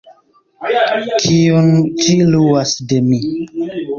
kiun ĝi luas de mi.